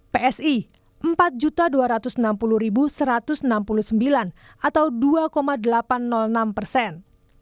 psi empat dua ratus enam puluh satu ratus enam puluh sembilan atau dua delapan ratus enam persen